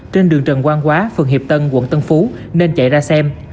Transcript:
trên đường trần quang quá phường hiệp tân quận tân phú nên chạy ra xem